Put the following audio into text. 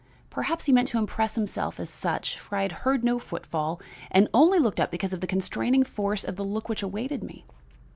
Perhaps he meant to impress himself as such, for I had heard no footfall and only looked up because of the constraining force of the look which awaited me.